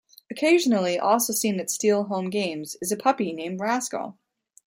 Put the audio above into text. Occasionally also seen at Steel home games is a puppy named Rascal.